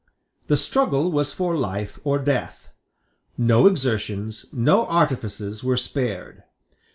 The struggle was for life or death. No exertions, no artifices, were spared.